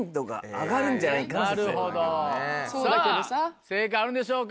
さぁ正解あるんでしょうか？